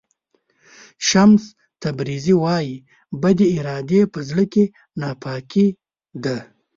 شمس تبریزي وایي بدې ارادې په زړه کې ناپاکي ده.